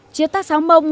chế tác sáo mông